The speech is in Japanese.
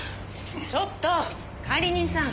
ちょっと管理人さん！